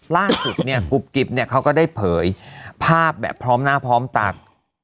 ล่าสุดเนี่ยกุ๊บกิ๊บเนี่ยเขาก็ได้เผยภาพแบบพร้อมหน้าพร้อมตา